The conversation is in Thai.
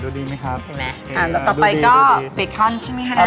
ดูดีไหมครับดูดีแล้วต่อไปก็เบคอนใช่ไหมคะนะ